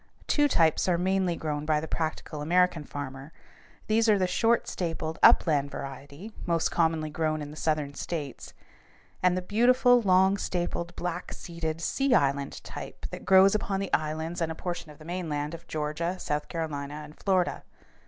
Two types are mainly grown by the practical American farmer. These are the short stapled, upland variety most commonly grown in all the Southern states, and the beautiful, long stapled, black seeded sea island type that grows upon the islands and a portion of the mainland of Georgia, South Carolina, and Florida.